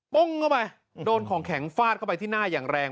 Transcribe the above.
ปุ้งเข้าไปโดนของแข็งฟาดเข้าไปที่หน้าอย่างแรง